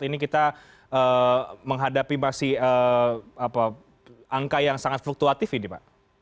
ini kita menghadapi masih angka yang sangat fluktuatif ini pak